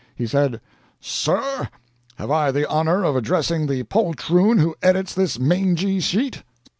He said, "Sir, have I the honor of addressing the poltroon who edits this mangy sheet?"